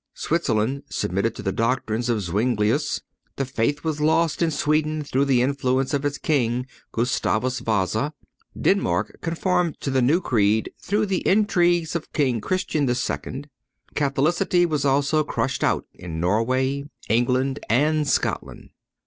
Switzerland submitted to the doctrines of Zuinglius. The faith was lost in Sweden through the influence of its king, Gustavus Vasa. Denmark conformed to the new creed through the intrigues of King Christian II. Catholicity was also crushed out in Norway, England and Scotland.